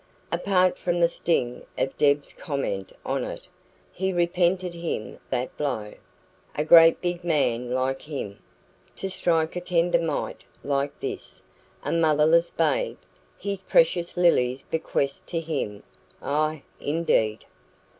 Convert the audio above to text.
Apart from the sting of Deb's comment on it, he repented him of that blow. A great big man like him, to strike a tender mite like this a motherless babe, his precious Lily's bequest to him aye, indeed!